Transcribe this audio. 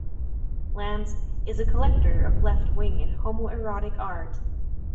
Landes is a collector of left-wing and homoerotic art.